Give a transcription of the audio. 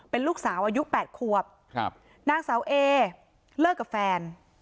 เป็นลูกสาวอายุ๘ขวบครับนางสาวเอเลิกกับแฟน